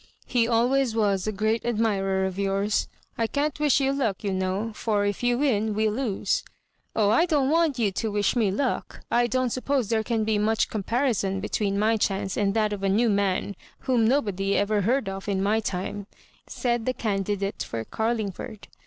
" He always was a great admirer of yours, I can't wish you luck, you know, for if you win we lose "" Oh, I don't want you to wish me luck. I don't suppose there can be much comparison be tween my chance and that of a new man whom nobody ever hoard of in my time," said the can didate for Carlingford.